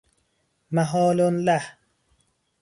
محال له